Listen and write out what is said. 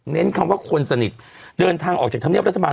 คำว่าคนสนิทเดินทางออกจากธรรมเนียบรัฐบาล